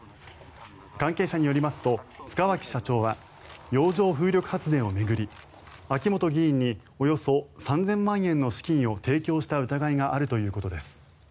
関係者によりますと塚脇社長は洋上風力発電を巡り秋本議員におよそ３０００万円の資金を提供した疑いがあるということです。